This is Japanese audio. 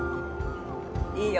いいよ